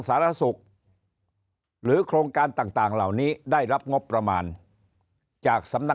สารสุขหรือโครงการต่างเหล่านี้ได้รับงบประมาณจากสำนัก